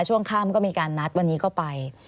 ช่วงค่ำก็มีการนัดวันนี้ก็ไป